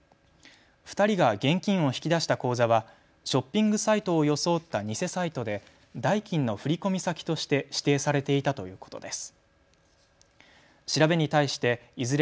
２人が現金を引き出した口座はショッピングサイトを装った偽サイトで代金の振込先として指定されていたということです。